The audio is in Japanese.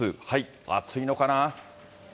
暑いのかな。